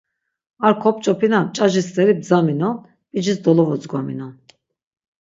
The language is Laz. Ar kop̆ç̆opina mç̆aci steri bdzaminon, p̆icis dolovodzgvaminon.